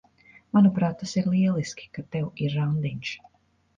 Manuprāt, tas ir lieliski, ka tev ir randiņš.